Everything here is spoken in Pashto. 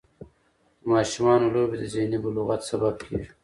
د ماشومانو لوبې د ذهني بلوغت سبب کېږي.